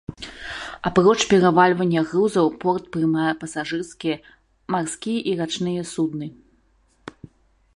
Апроч перавальвання грузаў порт прымае пасажырскія марскія і рачныя судны.